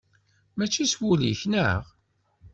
Mačči s wul-ik, neɣ?